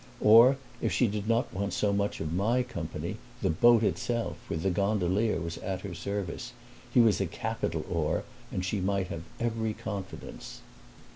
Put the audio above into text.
Or if she did not want so much of my company the boat itself, with the gondolier, was at her service; he was a capital oar and she might have every confidence.